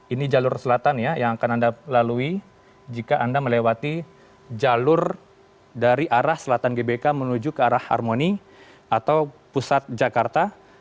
ini jalur selatan ya yang akan anda lalui jika anda melewati jalur dari arah selatan gbk menuju ke arah harmoni atau pusat jakarta